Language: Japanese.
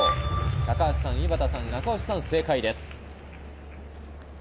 高橋さん、井端さん、赤星さん正解です。